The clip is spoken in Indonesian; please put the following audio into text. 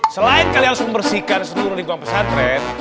selain kalian harus membersihkan seluruh lingkungan pesantren